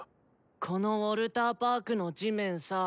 このウォルターパークの地面さぁ。